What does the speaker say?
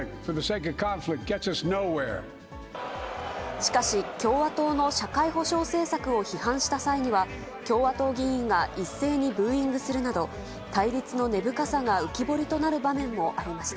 しかし、共和党の社会保障政策を批判した際には、共和党議員が一斉にブーイングするなど、対立の根深さが浮き彫りとなる場面もありました。